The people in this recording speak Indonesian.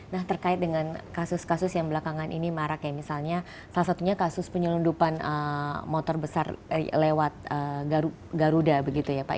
nah terkait dengan kasus kasus yang belakangan ini marak ya misalnya salah satunya kasus penyelundupan motor besar lewat garuda begitu ya pak